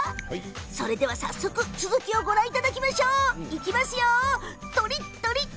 それでは早速続きをご覧いただきましょう。